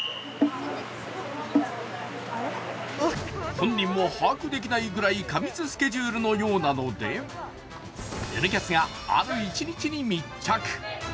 本人も把握できないくらい過密スケジュールのようなので「Ｎキャス」がある１日に密着。